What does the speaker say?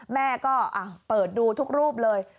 แม่ก็เปิดดูทุกรูปเลย